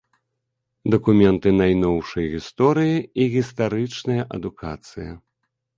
Дакументы найноўшай гісторыі і гістарычная адукацыя.